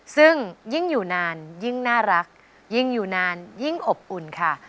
ซึ่งยิ่งอยู่นานยิ่งน่ารักยิ่งอยู่นานยิ่งอบอุ่นค่ะ